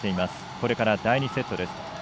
これから第２セットです。